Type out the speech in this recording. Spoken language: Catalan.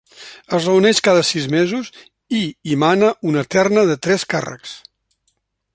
Es reuneix cada sis mesos i hi mana una terna de tres càrrecs.